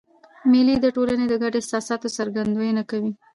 مېلې د ټولني د ګډو احساساتو څرګندونه کوي.